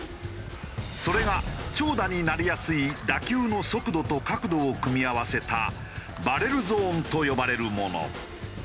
それが長打になりやすい打球の速度と角度を組み合わせたバレルゾーンと呼ばれるもの。